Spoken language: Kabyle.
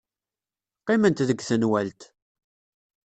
Qqiment deg tenwalt.